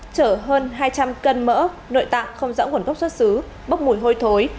chở hơn hai trăm linh cân mỡ nội tạng không rõ nguồn gốc xuất xứ bốc mùi hôi thối